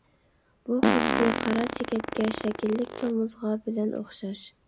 بۇ خۇددى قارا چېكەتكە شەكىللىك تومۇزغا بىلەن ئوخشاش.